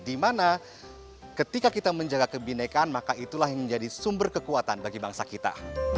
dimana ketika kita menjaga kebinekaan maka itulah yang menjadi sumber kekuatan bagi bangsa kita